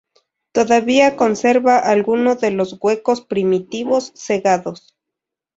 Todavía conserva alguno de los huecos primitivos cegados.